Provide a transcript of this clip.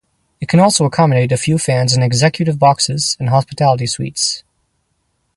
It can also accommodate a few fans in executive boxes and hospitality suites.